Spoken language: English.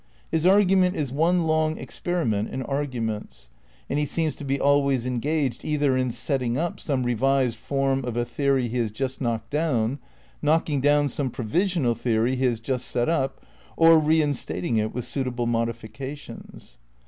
His argument is one long experiment in arguments; and he seems to be always engaged either in setting up some revised form of a theory he has just knocked down, knocking down some provisional theory he has just set up, or reinstating it with suitable modifica tions.